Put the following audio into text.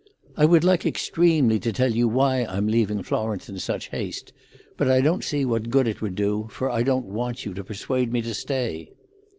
"I would like extremely to tell you why I'm leaving Florence in such haste. But I don't see what good it would do, for I don't want you to persuade me to stay."